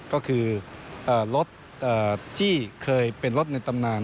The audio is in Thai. ก็คือรถที่เคยเป็นรถในตำนาน